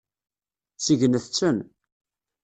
Segnet-ten.